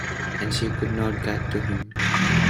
And she could not get to him.